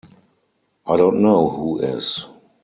I don't know who is.